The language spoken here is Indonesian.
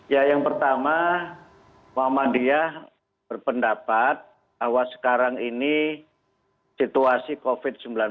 ya yang pertama muhammadiyah berpendapat bahwa sekarang ini situasi covid sembilan belas